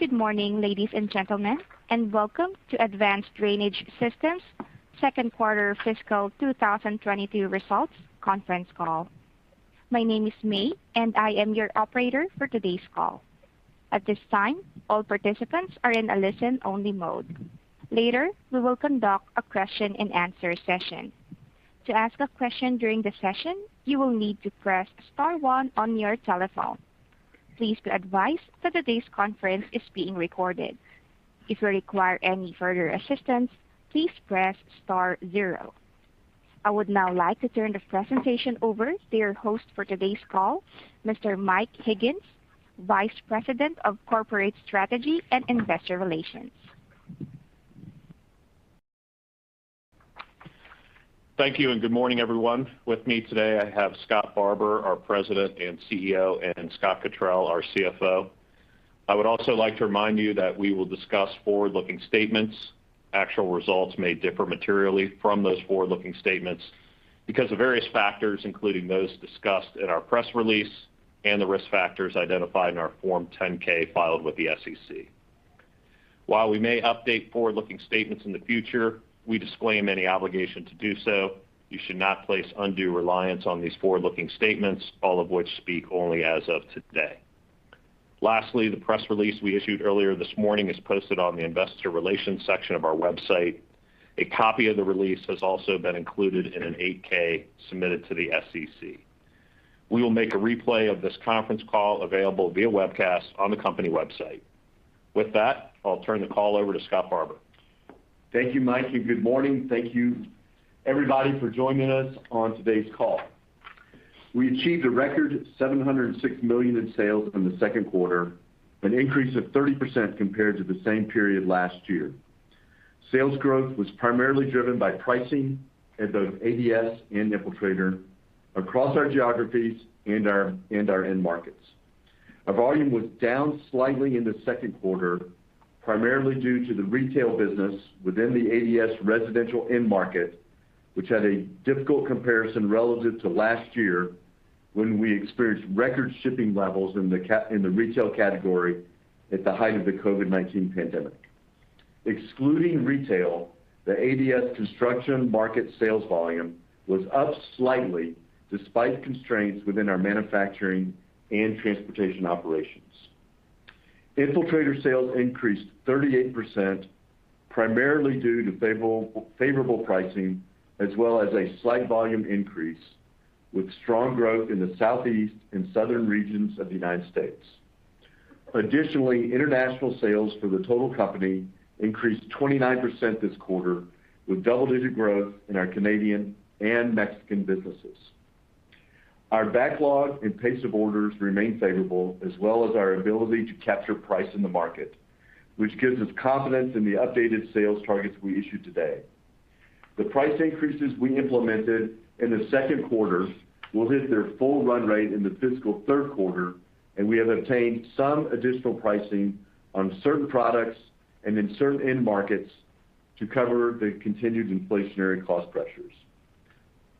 Good morning, ladies and gentlemen, and welcome to Advanced Drainage Systems second quarter fiscal 2022 results conference call. My name is May, and I am your operator for today's call. At this time, all participants are in a listen-only mode. Later, we will conduct a question-and-answer session. To ask a question during the session, you will need to press star one on your telephone. Please be advised that today's conference is being recorded. If you require any further assistance, please press star zero. I would now like to turn the presentation over to your host for today's call, Mr. Mike Higgins, Vice President of Corporate Strategy and Investor Relations. Thank you, and good morning, everyone. With me today, I have Scott Barbour, our President and CEO, and Scott Cottrill, our CFO. I would also like to remind you that we will discuss forward-looking statements. Actual results may differ materially from those forward-looking statements because of various factors, including those discussed in our press release and the risk factors identified in our Form 10-K filed with the SEC. While we may update forward-looking statements in the future, we disclaim any obligation to do so. You should not place undue reliance on these forward-looking statements, all of which speak only as of today. Lastly, the press release we issued earlier this morning is posted on the investor relations section of our website. A copy of the release has also been included in an 8-K submitted to the SEC. We will make a replay of this conference call available via webcast on the company website. With that, I'll turn the call over to Scott Barbour. Thank you, Mike, and good morning. Thank you, everybody, for joining us on today's call. We achieved a record $706 million in sales in the second quarter, an increase of 30% compared to the same period last year. Sales growth was primarily driven by pricing at both ADS and Infiltrator across our geographies and our end markets. Our volume was down slightly in the second quarter, primarily due to the retail business within the ADS residential end market, which had a difficult comparison relative to last year when we experienced record shipping levels in the retail category at the height of the COVID-19 pandemic. Excluding retail, the ADS construction market sales volume was up slightly despite constraints within our manufacturing and transportation operations. Infiltrator sales increased 38%, primarily due to favorable pricing as well as a slight volume increase, with strong growth in the Southeast and Southern regions of the United States. Additionally, international sales for the total company increased 29% this quarter, with double-digit growth in our Canadian and Mexican businesses. Our backlog and pace of orders remain favorable as well as our ability to capture price in the market, which gives us confidence in the updated sales targets we issued today. The price increases we implemented in the second quarter will hit their full run rate in the fiscal third quarter, and we have obtained some additional pricing on certain products and in certain end markets to cover the continued inflationary cost pressures.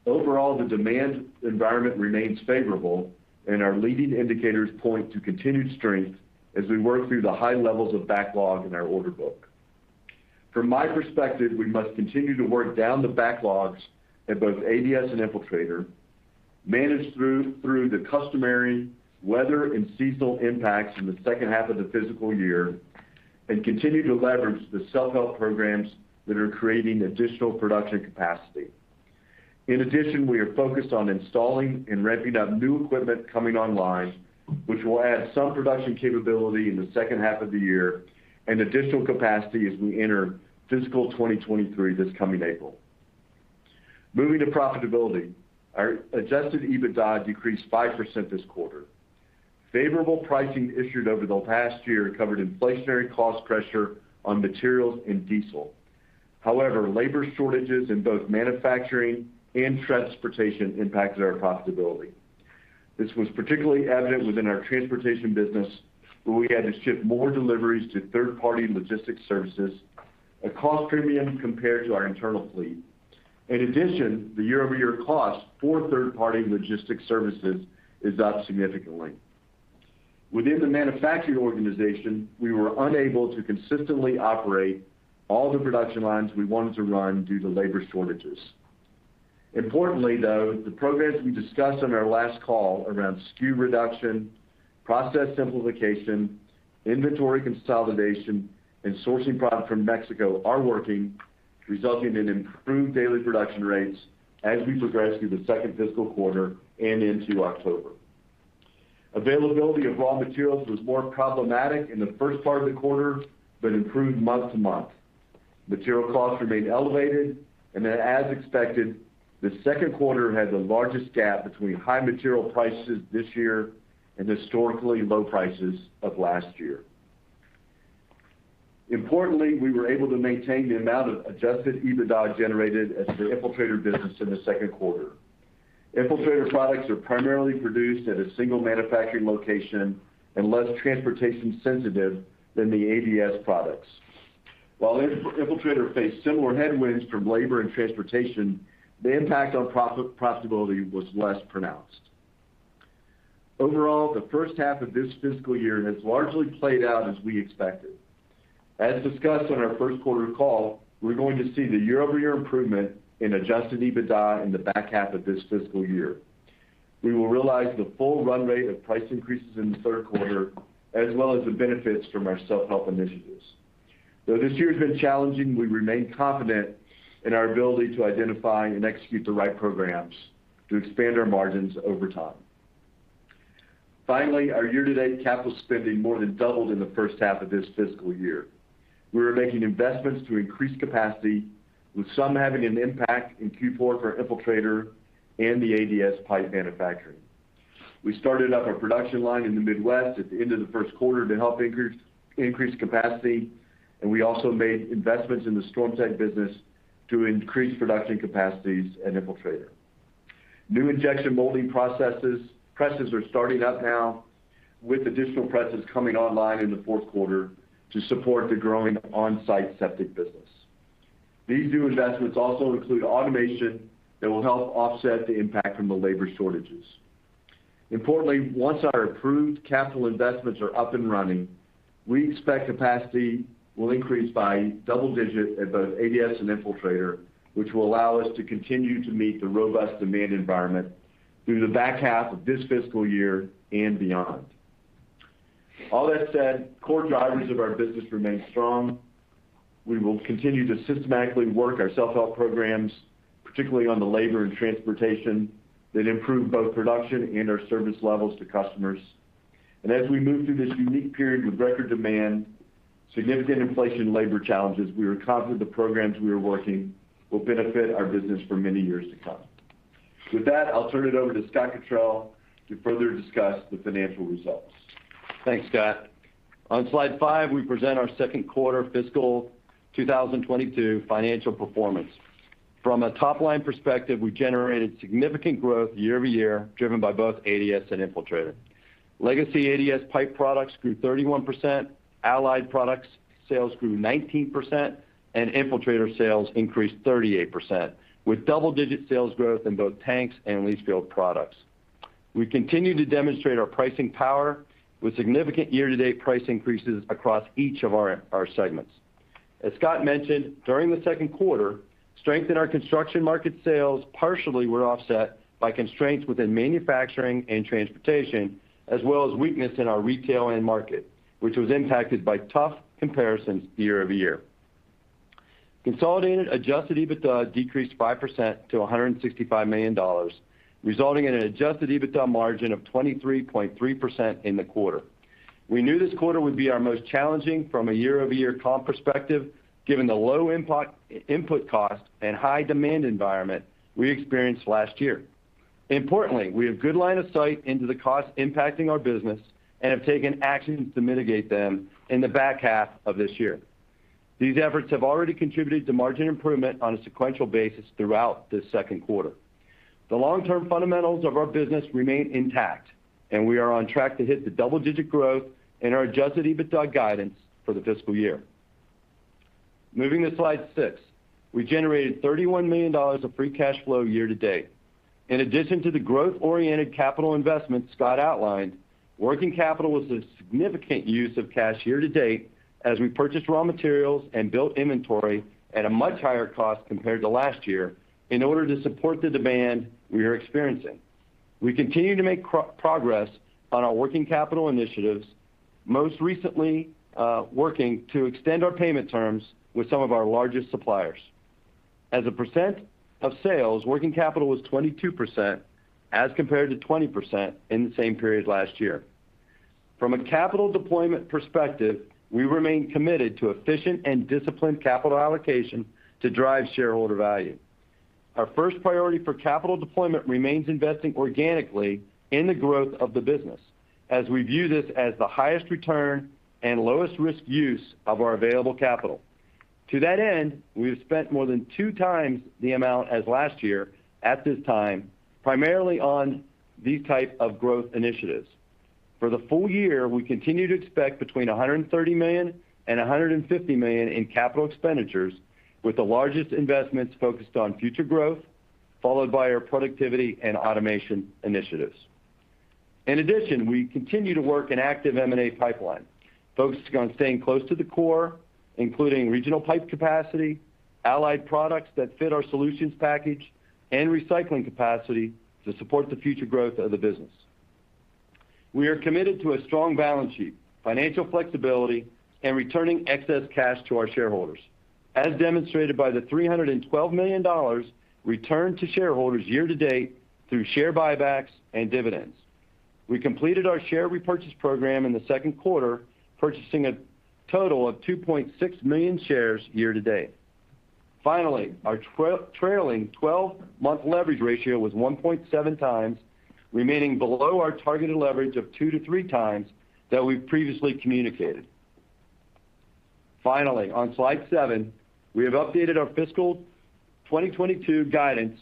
Overall, the demand environment remains favorable, and our leading indicators point to continued strength as we work through the high levels of backlog in our order book. From my perspective, we must continue to work down the backlogs at both ADS and Infiltrator, manage through the customary weather and seasonal impacts in the second half of the fiscal year, and continue to leverage the self-help programs that are creating additional production capacity. In addition, we are focused on installing and ramping up new equipment coming online, which will add some production capability in the second half of the year and additional capacity as we enter fiscal 2023 this coming April. Moving to profitability, our adjusted EBITDA decreased 5% this quarter. Favorable pricing issued over the past year covered inflationary cost pressure on materials and diesel. However, labor shortages in both manufacturing and transportation impacted our profitability. This was particularly evident within our transportation business, where we had to ship more deliveries to third-party logistics services, a cost premium compared to our internal fleet. In addition, the year-over-year cost for third-party logistics services is up significantly. Within the manufacturing organization, we were unable to consistently operate all the production lines we wanted to run due to labor shortages. Importantly, though, the progress we discussed on our last call around SKU reduction, process simplification, inventory consolidation, and sourcing product from Mexico are working, resulting in improved daily production rates as we progress through the second fiscal quarter and into October. Availability of raw materials was more problematic in the first part of the quarter, but improved month-to-month. Material costs remained elevated, and as expected, the second quarter had the largest gap between high material prices this year and historically low prices of last year. Importantly, we were able to maintain the amount of adjusted EBITDA generated at the Infiltrator business in the second quarter. Infiltrator products are primarily produced at a single manufacturing location and less transportation sensitive than the ADS products. While Infiltrator faced similar headwinds from labor and transportation, the impact on profitability was less pronounced. Overall, the first half of this fiscal year has largely played out as we expected. As discussed on our first quarter call, we're going to see the year-over-year improvement in adjusted EBITDA in the back half of this fiscal year. We will realize the full run rate of price increases in the third quarter, as well as the benefits from our self-help initiatives. Though this year has been challenging, we remain confident in our ability to identify and execute the right programs to expand our margins over time. Finally, our year-to-date capital spending more than doubled in the first half of this fiscal year. We are making investments to increase capacity, with some having an impact in Q4 for Infiltrator and the ADS pipe manufacturing. We started up a production line in the Midwest at the end of the first quarter to help increase capacity, and we also made investments in the StormTech business to increase production capacities at Infiltrator. New injection molding presses are starting up now, with additional presses coming online in the fourth quarter to support the growing onsite septic business. These new investments also include automation that will help offset the impact from the labor shortages. Importantly, once our approved capital investments are up and running, we expect capacity will increase by double digits at both ADS and Infiltrator, which will allow us to continue to meet the robust demand environment through the back half of this fiscal year and beyond. All that said, core drivers of our business remain strong. We will continue to systematically work our self-help programs, particularly on the labor and transportation that improve both production and our service levels to customers. As we move through this unique period with record demand, significant inflation, labor challenges, we are confident the programs we are working will benefit our business for many years to come. With that, I'll turn it over to Scott Cottrill to further discuss the financial results. Thanks, Scott. On slide five, we present our second quarter fiscal 2022 financial performance. From a top-line perspective, we generated significant growth year-over-year, driven by both ADS and Infiltrator. Legacy ADS pipe products grew 31%, Allied Products sales grew 19%, and Infiltrator sales increased 38%, with double-digit sales growth in both tanks and leach field products. We continue to demonstrate our pricing power with significant year-to-date price increases across each of our segments. As Scott mentioned, during the second quarter, strength in our construction market sales partially were offset by constraints within manufacturing and transportation, as well as weakness in our retail end market, which was impacted by tough comparisons year-over-year. Consolidated Adjusted EBITDA decreased 5% to $165 million, resulting in an Adjusted EBITDA margin of 23.3% in the quarter. We knew this quarter would be our most challenging from a year-over-year comp perspective, given the low input cost and high demand environment we experienced last year. Importantly, we have good line of sight into the costs impacting our business and have taken actions to mitigate them in the back half of this year. These efforts have already contributed to margin improvement on a sequential basis throughout this second quarter. The long-term fundamentals of our business remain intact, and we are on track to hit the double-digit growth in our Adjusted EBITDA guidance for the fiscal year. Moving to slide six. We generated $31 million of free cash flow year-to-date. In addition to the growth-oriented capital investments Scott outlined, working capital was a significant use of cash year-to-date as we purchased raw materials and built inventory at a much higher cost compared to last year in order to support the demand we are experiencing. We continue to make progress on our working capital initiatives, most recently, working to extend our payment terms with some of our largest suppliers. As a percent of sales, working capital was 22% as compared to 20% in the same period last year. From a capital deployment perspective, we remain committed to efficient and disciplined capital allocation to drive shareholder value. Our first priority for capital deployment remains investing organically in the growth of the business as we view this as the highest return and lowest risk use of our available capital. To that end, we have spent more than 2x the amount as last year at this time, primarily on these type of growth initiatives. For the full year, we continue to expect between $130 million and $150 million in capital expenditures, with the largest investments focused on future growth, followed by our productivity and automation initiatives. In addition, we continue to work an active M&A pipeline focused on staying close to the core, including regional pipe capacity, Allied Products that fit our solutions package, and recycling capacity to support the future growth of the business. We are committed to a strong balance sheet, financial flexibility, and returning excess cash to our shareholders, as demonstrated by the $312 million returned to shareholders year-to-date through share buybacks and dividends. We completed our share repurchase program in the second quarter, purchasing a total of 2.6 million shares year-to-date. Finally, our trailing 12-month leverage ratio was 1.7x, remaining below our targeted leverage of 2x-3x that we've previously communicated. Finally, on slide seven, we have updated our fiscal 2022 guidance.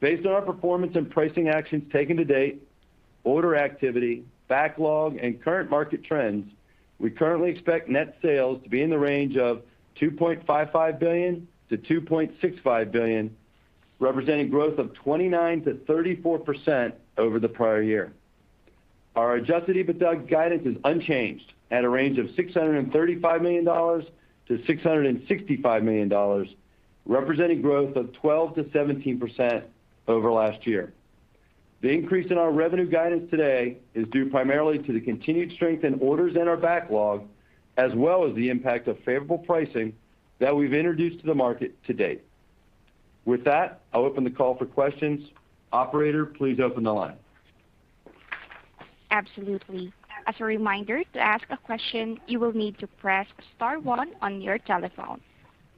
Based on our performance and pricing actions taken to date, order activity, backlog, and current market trends, we currently expect net sales to be in the range of $2.55 billion-$2.65 billion, representing growth of 29%-34% over the prior year. Our Adjusted EBITDA guidance is unchanged at a range of $635 million-$665 million, representing growth of 12%-17% over last year. The increase in our revenue guidance today is due primarily to the continued strength in orders in our backlog, as well as the impact of favorable pricing that we've introduced to the market to date. With that, I'll open the call for questions. Operator, please open the line. Absolutely. As a reminder, to ask a question, you will need to press star one on your telephone.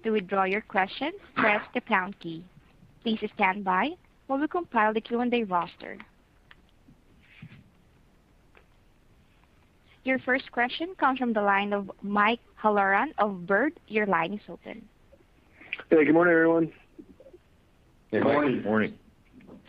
To withdraw your question, press the pound key. Please stand by while we compile the Q&A roster. Your first question comes from the line of Mike Halloran of Baird. Your line is open. Hey, good morning, everyone. Good morning. Good morning.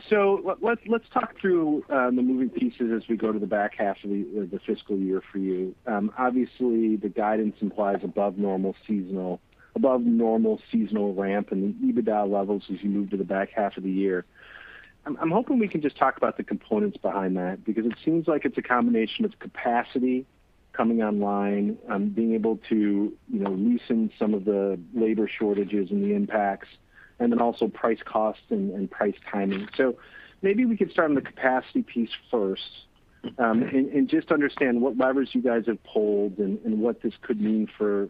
Let's talk through the moving pieces as we go to the back half of the fiscal year for you. Obviously, the guidance implies above normal seasonal ramp and EBITDA levels as you move to the back half of the year. I'm hoping we can just talk about the components behind that because it seems like it's a combination of capacity coming online, being able to, you know, loosen some of the labor shortages and the impacts, and then also price costs and price timing. Maybe we could start on the capacity piece first, and just understand what levers you guys have pulled and what this could mean for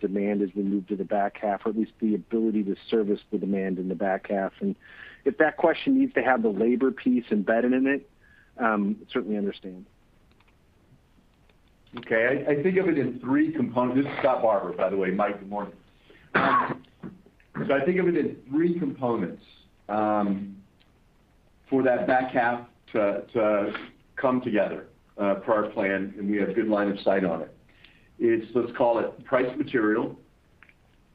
demand as we move to the back half, or at least the ability to service the demand in the back half. If that question needs to have the labor piece embedded in it, I certainly understand. Okay. I think of it in three components. This is Scott Barbour, by the way. Mike, good morning. I think of it in three components, for that back half to come together, per our plan, and we have good line of sight on it. It's let's call it price material,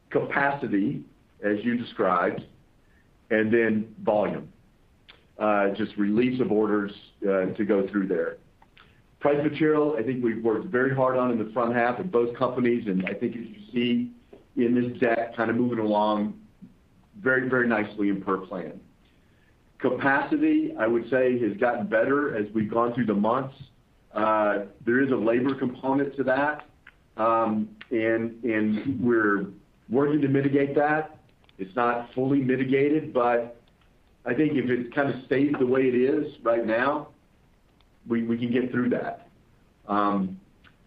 capacity, as you described, and then volume. Just release of orders to go through there. Price material, I think we've worked very hard on in the front half of both companies, and I think as you see in this deck, kind of moving along very, very nicely and per plan. Capacity, I would say, has gotten better as we've gone through the months. There is a labor component to that, and we're working to mitigate that. It's not fully mitigated, but I think if it kind of stays the way it is right now, we can get through that.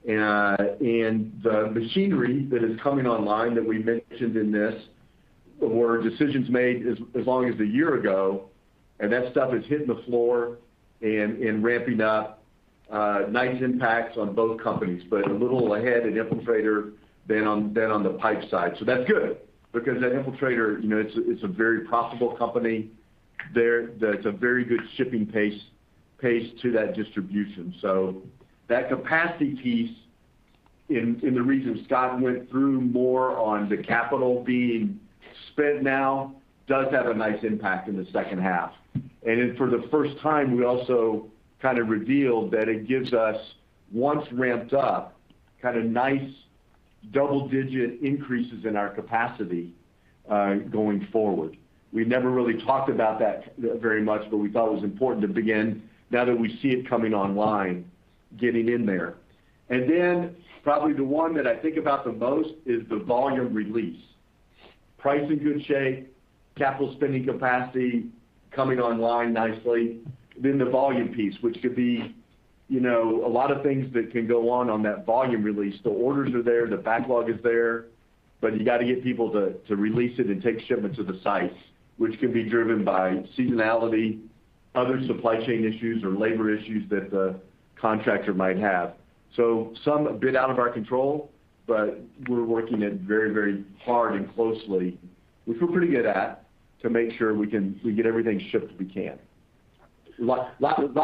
The machinery that is coming online that we mentioned in this were decisions made as long as a year ago, and that stuff is hitting the floor and ramping up, nice impacts on both companies, but a little ahead in Infiltrator than on the pipe side. That's good because at Infiltrator, you know, it's a very profitable company. There's a very good shipping pace to that distribution. That capacity piece in the regions Scott went through more on the capital being spent now does have a nice impact in the second half. Then for the first time, we also kind of revealed that it gives us, once ramped up, kind of nice double-digit increases in our capacity, going forward. We never really talked about that very much, but we thought it was important to begin now that we see it coming online, getting in there. Then probably the one that I think about the most is the volume release. Price in good shape, capital spending capacity coming online nicely, then the volume piece, which could be, you know, a lot of things that can go on on that volume release. The orders are there, the backlog is there, but you got to get people to release it and take shipment to the sites, which can be driven by seasonality, other supply chain issues or labor issues that the contractor might have. Some a bit out of our control, but we're working it very, very hard and closely, which we're pretty good at, to make sure we get everything shipped we can. Lot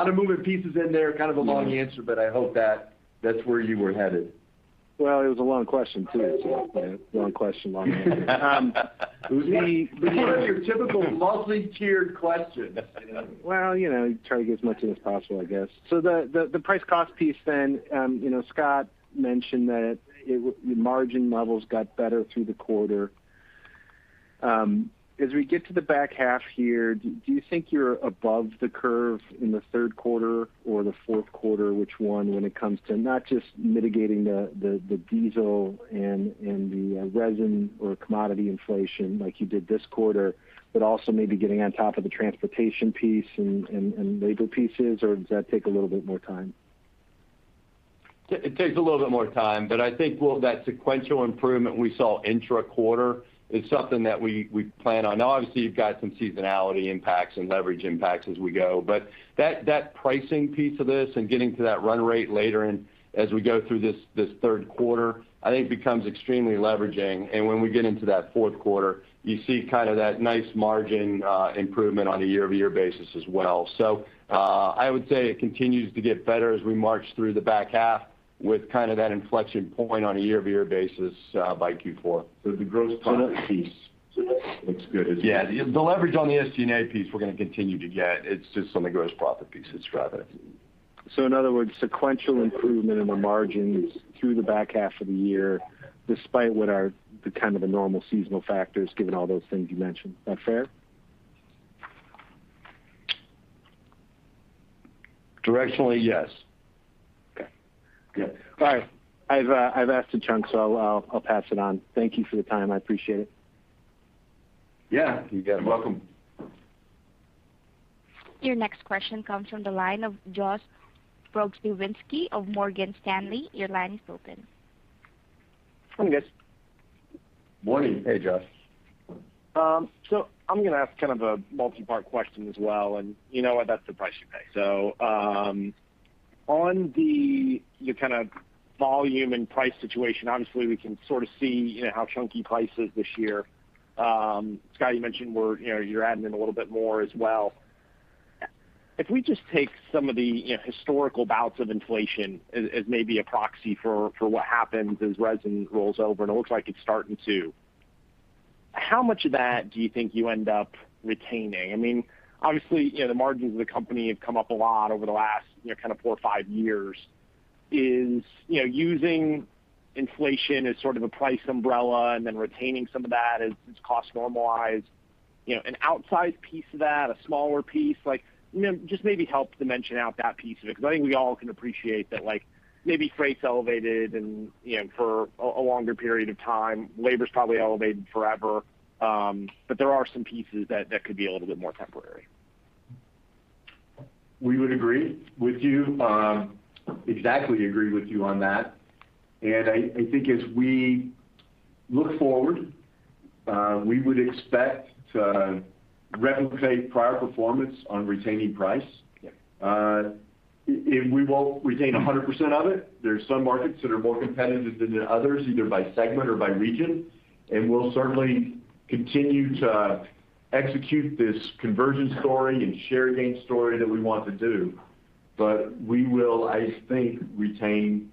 of moving pieces in there, kind of a long answer, but I hope that's where you were headed. Well, it was a long question, too. Long question, long answer. It's one of your typical multi-tiered questions. Well, you know, you try to get as much in as possible, I guess. The price cost piece then, you know, Scott mentioned that the margin levels got better through the quarter. As we get to the back half here, do you think you're above the curve in the third quarter or the fourth quarter? Which one when it comes to not just mitigating the diesel and the resin or commodity inflation like you did this quarter, but also maybe getting on top of the transportation piece and labor pieces? Or does that take a little bit more time? It takes a little bit more time, but I think that sequential improvement we saw intra-quarter is something that we plan on. Now, obviously, you've got some seasonality impacts and leverage impacts as we go. That pricing piece of this and getting to that run rate later in as we go through this third quarter, I think becomes extremely leveraging. When we get into that fourth quarter, you see kind of that nice margin improvement on a year-over-year basis as well. I would say it continues to get better as we march through the back half with kind of that inflection point on a year-over-year basis by Q4. The gross profit piece looks good. Yeah. The leverage on the SG&A piece we're gonna continue to get. It's just on the gross profit piece it's rather. In other words, sequential improvement in the margins through the back half of the year, despite what are the kind of the normal seasonal factors, given all those things you mentioned. Is that fair? Directionally, yes. Okay, good. All right. I've asked a chunk, so I'll pass it on. Thank you for your time. I appreciate it. Yeah, you're welcome. Your next question comes from the line of Josh Pokrzywinski of Morgan Stanley. Your line is open. Morning, guys. Morning. Hey, Josh. I'm gonna ask kind of a multi-part question as well. You know what? That's the price you pay. On your kind of volume and price situation, obviously, we can sort of see, you know, how chunky price is this year. Scott, you mentioned where, you know, you're adding in a little bit more as well. If we just take some of the, you know, historical bouts of inflation as maybe a proxy for what happens as resin rolls over, and it looks like it's starting to. How much of that do you think you end up retaining? I mean, obviously, you know, the margins of the company have come up a lot over the last, you know, kind of four or five years. It's, you know, using inflation as sort of a price umbrella and then retaining some of that as costs normalize, you know, an outsized piece of that, a smaller piece? Like, you know, just maybe help dimension out that piece of it 'cause I think we all can appreciate that, like, maybe freight's elevated and, you know, for a longer period of time. Labor's probably elevated forever. But there are some pieces that could be a little bit more temporary. We would agree with you. Exactly agree with you on that. I think as we look forward, we would expect to replicate prior performance on retaining price. Yeah. We won't retain 100% of it. There's some markets that are more competitive than others, either by segment or by region. We'll certainly continue to execute this conversion story and share gain story that we want to do. We will, I think, retain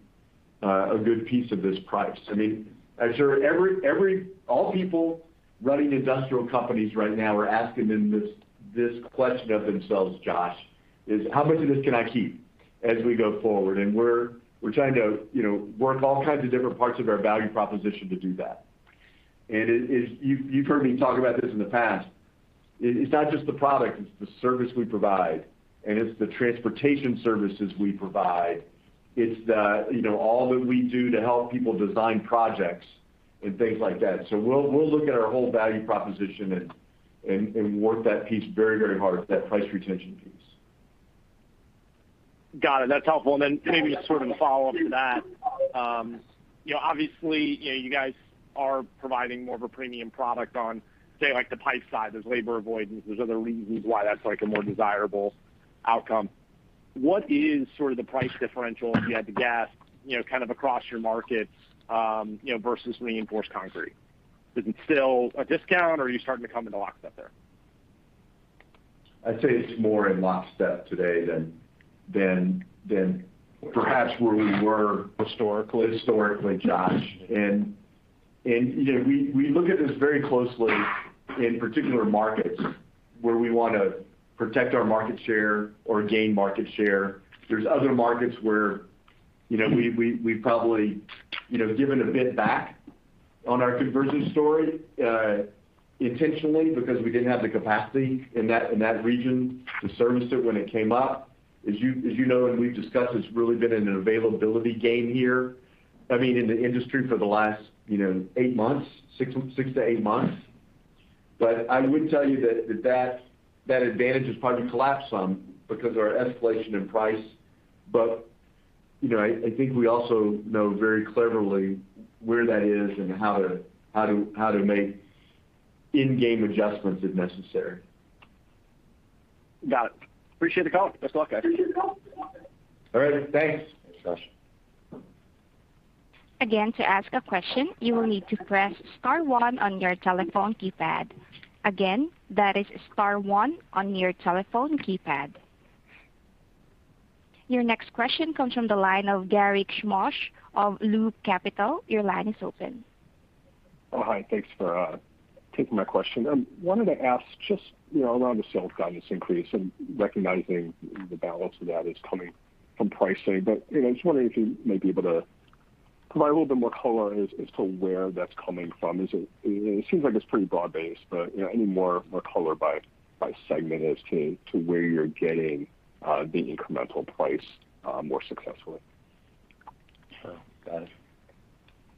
a good piece of this price. I mean, I'm sure, every, all people running industrial companies right now are asking themselves this question, Josh, is "How much of this can I keep as we go forward?" We're trying to, you know, work all kinds of different parts of our value proposition to do that. You've heard me talk about this in the past. It's not just the product, it's the service we provide, and it's the transportation services we provide. It's the, you know, all that we do to help people design projects and things like that. We'll look at our whole value proposition and work that piece very, very hard, that price retention piece. Got it. That's helpful. Maybe sort of a follow-up to that. You know, obviously, you know, you guys are providing more of a premium product on, say, like, the pipe side. There's labor avoidance. There's other reasons why that's, like, a more desirable outcome. What is sort of the price differential, if you had to guess, you know, kind of across your markets, you know, versus reinforced concrete? Is it still a discount, or are you starting to come into lockstep there? I'd say it's more in lockstep today than perhaps where we were. Historically? Historically, Josh. You know, we look at this very closely in particular markets where we wanna protect our market share or gain market share. There's other markets where you know, we've probably you know, given a bit back on our conversion story intentionally because we didn't have the capacity in that region to service it when it came up. As you know and we've discussed, it's really been an availability game here, I mean, in the industry for the last you know, eight months, six to eight months. I would tell you that advantage has probably collapsed some because our escalation in price. You know, I think we also know very cleverly where that is and how to make in-game adjustments if necessary. Got it. Appreciate the call. Best of luck, guys. All right, thanks. Again, to ask a question, you will need to press star one on your telephone keypad. Again, that is star one on your telephone keypad. Your next question comes from the line of Garik Shmois of Loop Capital Markets. Your line is open. Oh, hi. Thanks for taking my question. Wanted to ask just, you know, around the sales guidance increase and recognizing the balance of that is coming from pricing. You know, just wondering if you may be able to provide a little bit more color as to where that's coming from. It seems like it's pretty broad-based, but, you know, any more color by segment as to where you're getting the incremental price more successfully? Sure. Got it.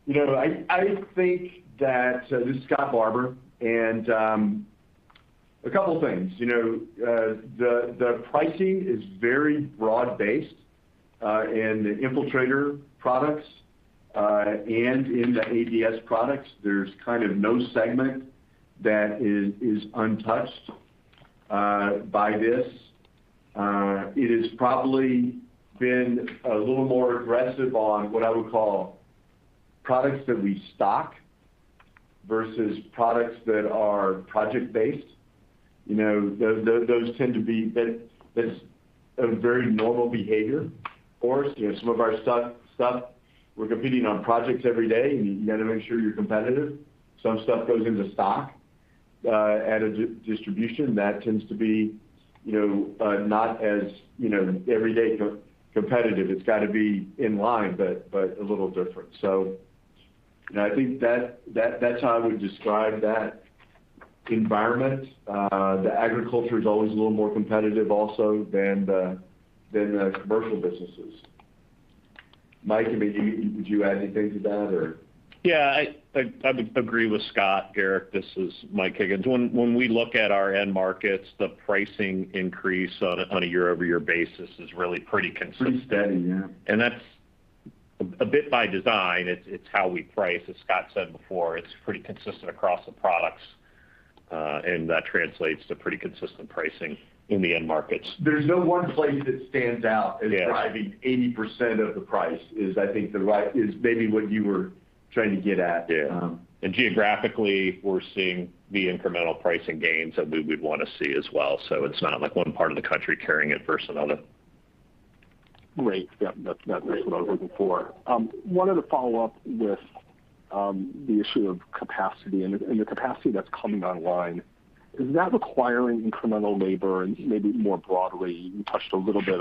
You know, I think that. This is Scott Barbour. A couple things. You know, the pricing is very broad-based in the Infiltrator products and in the ADS products. There's kind of no segment that is untouched by this. It has probably been a little more aggressive on what I would call products that we stock versus products that are project-based. You know, those tend to be. That's a very normal behavior for us. You know, some of our stuff we're competing on projects every day, and you gotta make sure you're competitive. Some stuff goes into stock at distribution. That tends to be, you know, not as, you know, everyday competitive. It's gotta be in line, but a little different. You know, I think that that's how I would describe that environment. The agriculture is always a little more competitive also than the commercial businesses. Mike, I mean, would you add anything to that or? Yeah, I would agree with Scott. Garik, this is Mike Higgins. When we look at our end markets, the pricing increase on a year-over-year basis is really pretty consistent. Pretty steady, yeah. That's a bit by design. It's how we price. As Scott said before, it's pretty consistent across the products, and that translates to pretty consistent pricing in the end markets. There's no one place that stands out. Yeah. As driving 80% of the price is, I think, is maybe what you were trying to get at. Yeah. Um. Geographically, we're seeing the incremental pricing gains that we would wanna see as well. It's not like one part of the country carrying it versus another. Great. Yep, that's what I was looking for. Wanted to follow up with the issue of capacity and the capacity that's coming online. Is that requiring incremental labor? Maybe more broadly, you touched a little bit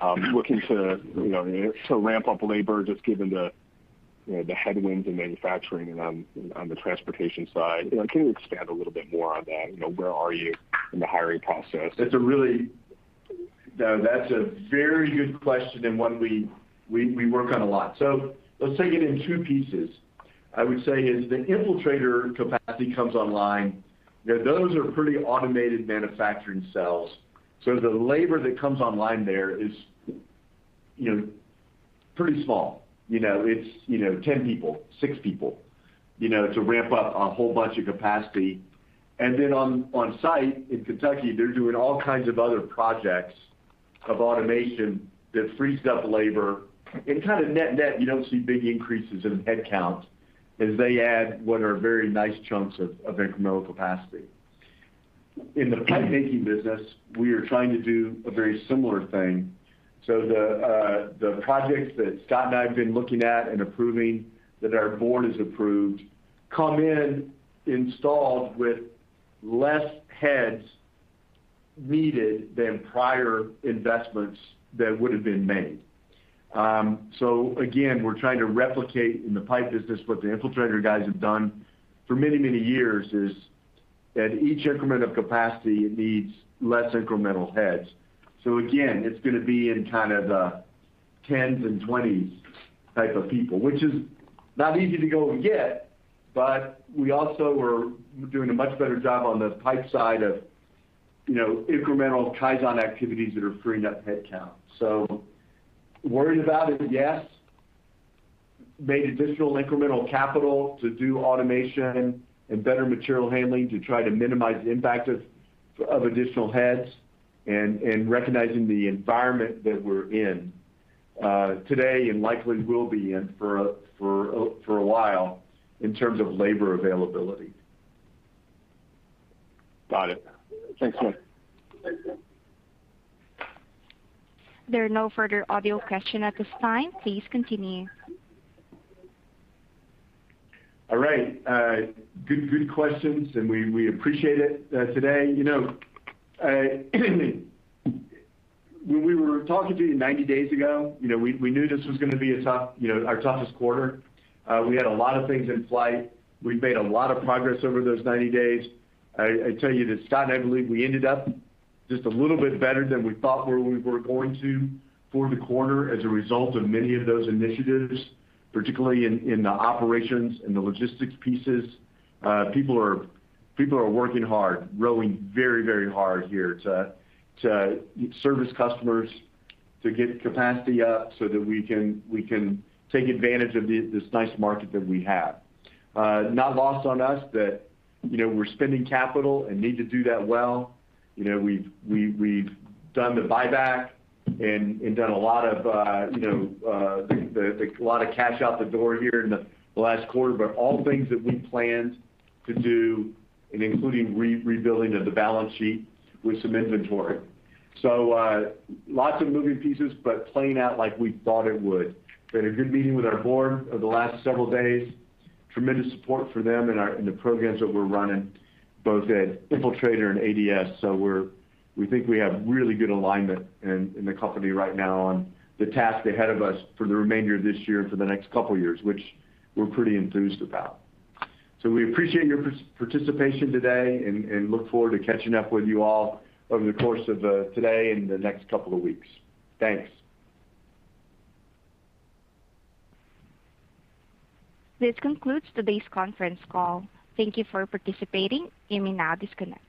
on looking to, you know, to ramp up labor, just given the, you know, the headwinds in manufacturing and on the transportation side. You know, can you expand a little bit more on that? You know, where are you in the hiring process? That's a very good question and one we work on a lot. Let's take it in two pieces. I would say as the Infiltrator capacity comes online, you know, those are pretty automated manufacturing cells. The labor that comes online there is, you know, pretty small. You know, it's, you know, 10 people, six people, you know, to ramp up a whole bunch of capacity. Then onsite in Kentucky, they're doing all kinds of other projects of automation that frees up labor. In kind of net-net, you don't see big increases in headcount as they add what are very nice chunks of incremental capacity. In the pipe making business, we are trying to do a very similar thing. The projects that Scott and I have been looking at and approving, that our board has approved, come installed with less heads needed than prior investments that would have been made. We're trying to replicate in the pipe business what the Infiltrator guys have done for many, many years, is that each increment of capacity needs less incremental heads. It's gonna be in kind of the 10s and 20s type of people, which is not easy to go and get, but we also were doing a much better job on the pipe side of incremental Kaizen activities that are freeing up headcount. Worried about it, yes. Made additional incremental capital to do automation and better material handling to try to minimize the impact of additional heads and recognizing the environment that we're in today and likely will be in for a while in terms of labor availability. Got it. Excellent. Thanks. There are no further audio questions at this time. Please continue. All right. Good questions, and we appreciate it today. You know, when we were talking to you 90 days ago, you know, we knew this was gonna be a tough, you know, our toughest quarter. We had a lot of things in flight. We've made a lot of progress over those 90 days. I tell you that Scott and I believe we ended up just a little bit better than we thought we were going to for the quarter as a result of many of those initiatives, particularly in the operations and the logistics pieces. People are working hard, rowing very hard here to service customers, to get capacity up so that we can take advantage of this nice market that we have. Not lost on us that, you know, we're spending capital and need to do that well. You know, we've done the buyback and done a lot of, you know, a lot of cash out the door here in the last quarter. All things that we planned to do, including rebuilding of the balance sheet with some inventory. Lots of moving pieces, but playing out like we thought it would. We had a good meeting with our board over the last several days. Tremendous support for them and our in the programs that we're running, both at Infiltrator and ADS. We think we have really good alignment in the company right now on the task ahead of us for the remainder of this year and for the next couple years, which we're pretty enthused about. We appreciate your participation today and look forward to catching up with you all over the course of today and the next couple of weeks. Thanks. This concludes today's conference call. Thank you for participating. You may now disconnect.